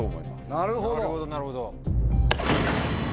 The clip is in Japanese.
なるほどなるほど。